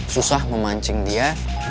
susah memancing dia